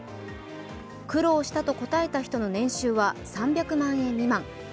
苦労したと答えた人の年収は３００万円未満。